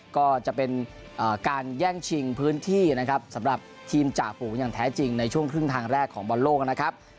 ก็จะเป็นการแย่งชิงพื้นที่นะครับสำหรับทีมจ่าฝูงอย่างแท้จริงในช่วงครึ่งทางแรกของบอลโลกนะครับ